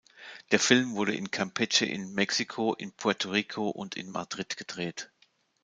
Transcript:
Der Film wurde in Campeche in Mexiko, in Puerto Rico und in Madrid gedreht.